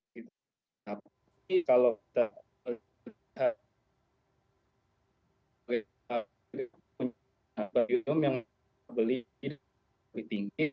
tapi kalau kita punya premium yang kita beli lebih tinggi